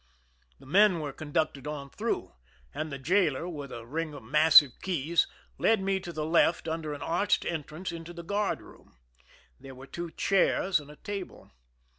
The men were conducted on through, and the jailer, with a ring of massive keys, led me to the left under an arched entrance into the guard room. There were two chairs and a table.